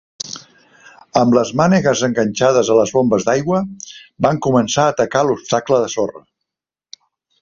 Amb les mànegues enganxades a les bombes d'aigua, van començar a atacar l'obstacle de sorra.